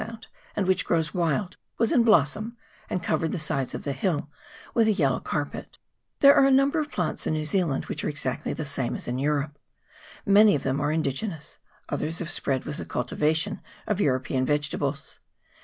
Sound, and which grows wild, was in blossom, and covered the sides of the hills with a yellow carpet. There are a number of plants in New Zealand which are exactly the same as in Europe. Many of them are indigenous, others have spread with the cultivation of European vegetables.